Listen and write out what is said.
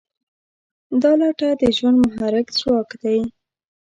دا لټه د ژوند محرک ځواک دی.